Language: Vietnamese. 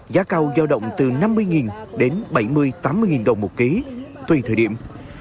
giá cao giao động từ năm mươi đến bảy mươi tám mươi đồng một ký tùy thời điểm